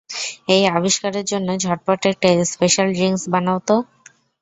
এই আবিষ্কারকের জন্য ঝটপট একটা স্পেশাল ড্রিংক্স বানাও তো!